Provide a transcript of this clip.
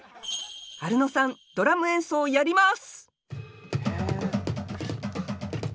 アルノさんドラム演奏やります！